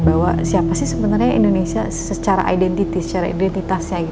bahwa siapa sih sebenarnya indonesia secara identitas